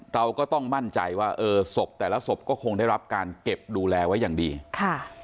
เราก็ต้องมั่นใจว่าเออศพแต่ละศพก็คงได้รับการเก็บดูแลไว้อย่างดีค่ะ